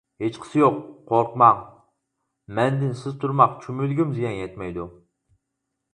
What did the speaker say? ھېچقىسى يوق، قورقماڭ، مەندىن سىز تۇرماق، چۈمۈلىگىمۇ زىيان يەتمەيدۇ.